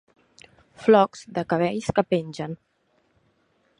Flocs de cabells que pengen.